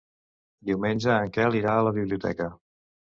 Diumenge en Quel irà a la biblioteca.